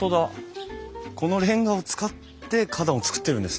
このレンガを使って花壇を作ってるんですね。